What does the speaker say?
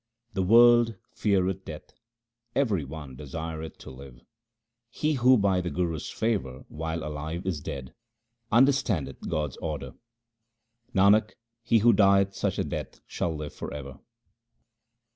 The world feareth death ; every one desireth to live. He who by the Guru's favour while alive is dead, under standeth God's order. Nanak, he who dieth such a death shall live for ever.